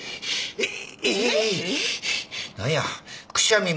えっ！？